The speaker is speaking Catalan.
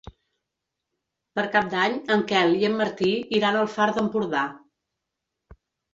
Per Cap d'Any en Quel i en Martí iran al Far d'Empordà.